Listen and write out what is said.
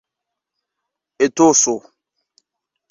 etoso